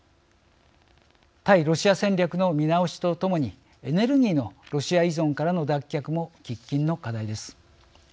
対ロシア戦略の見直しとともにエネルギーのロシア依存からの脱却も喫緊の課題です。